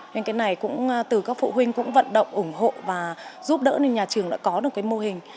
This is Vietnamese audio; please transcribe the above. nên cái này cũng từ các phụ huynh cũng vận động ủng hộ và giúp đỡ nên nhà trường đã có được cái mô hình